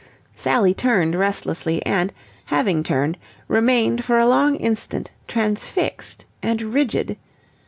Sally turned restlessly, and, having turned remained for a long instant transfixed and rigid.